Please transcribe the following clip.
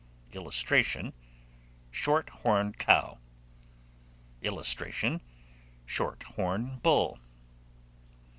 [Illustration: SHORT HORN COW.] [Illustration: SHORT HORN BULL.